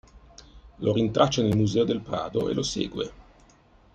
Lo rintraccia nel Museo del Prado, e lo segue.